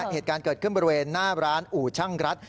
เหตุการณ์เกิดขึ้นบริเวณหน้าร้านอู่ช่างรัฐ